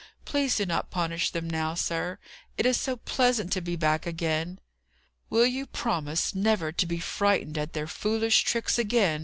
"Please do not punish them now, sir; it is so pleasant to be back again!" "Will you promise never to be frightened at their foolish tricks again?"